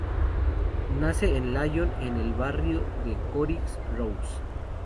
Nace en Lyon en el barrio de la Croix-Rousse.